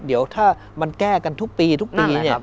เดี๋ยวถ้ามันแก้กันทุกปีทุกปีเนี่ย